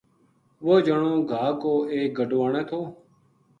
وہ جنو گھا کو ایک گڈو آنے تھو